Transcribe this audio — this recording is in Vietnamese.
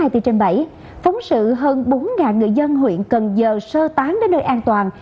trên bảy phóng sự hơn bốn người dân huyện cần giờ sơ tán đến nơi an toàn